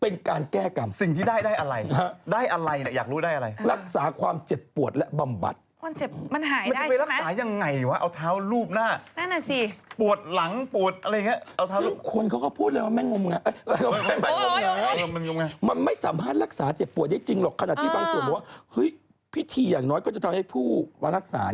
นั่นคือแค่หลังกับหน้า